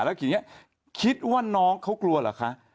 จนคิดว่าน้องเขากลัวหรือ